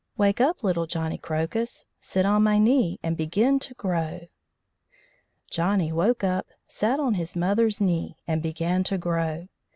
Wake up, little Johnny Crocus! Sit on my knee and begin to grow." Johnny woke up, sat on his mother's knee, and began to grow.